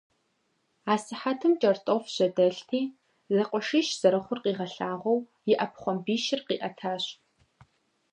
Асыхьэтым кӀэртӀоф жьэдэлъти, зэкъуэшищ зэрыхъур къигъэлъагъуэу, и Ӏэпхъуамбищыр къиӀэтащ.